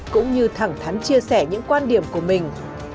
cũng như thẳng thắn chia sẻ những quan điểm của mình